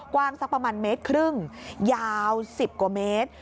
กว้างสักประมาณเมตรครึ่งยาว๑๐กว่าเมตร